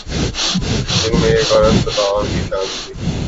"جن میں ایک عورت "قطام" بھی شامل تھی"